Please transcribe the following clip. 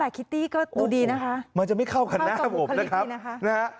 คิตตี้ก็ดูดีนะคะมันจะไม่เข้ากันหน้าผมนะครับนะฮะ